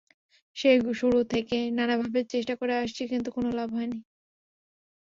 সেই শুরু থেকে নানাভাবে চেষ্টা করে আসছি, কিন্তু লাভ হয়নি কোনো।